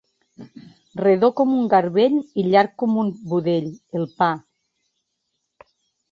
Redó com un garbell i llarg com un budell: el pa.